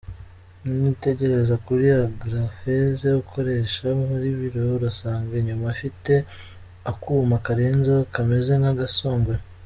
Niwitegereza kuri Agrapheuse ukoresha mu biro urasanga inyuma ifite akuma karenzeho kameze nk’agasongoye.